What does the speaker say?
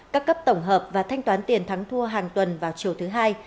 các cấp tổng hợp và thanh toán tiền thắng thua hàng tuần vào chiều thứ hai